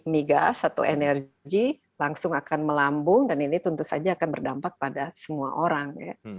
migas atau energi langsung akan melambung dan ini tentu saja akan berdampak pada semua orang